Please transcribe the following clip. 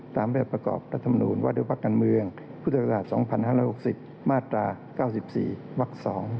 ตามแบบประกอบประธรรมนุนวัฒนภาคกันเมืองพุทธศาสตร์๒๕๖๐มาตรา๙๔วัก๒